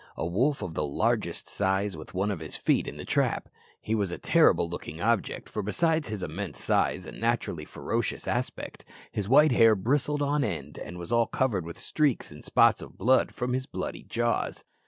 A wolf of the largest size with one of his feet in the trap. He was a terrible looking object, for, besides his immense size and naturally ferocious aspect, his white hair bristled on end and was all covered with streaks and spots of blood from his bloody jaws.